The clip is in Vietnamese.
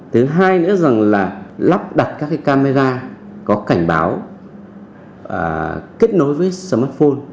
thứ hai nữa rằng là lắp đặt các camera có cảnh báo kết nối với smartphone